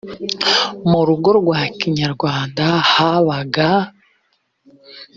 mu rugo rwa kinyarwanda habaga